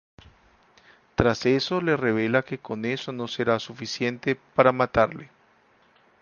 Tras eso le revela que con eso no será suficiente para matarle.